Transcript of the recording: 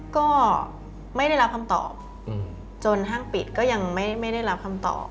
ก็ไม่ได้รับคำตอบจนห้างปิดก็ยังไม่ได้รับคำตอบ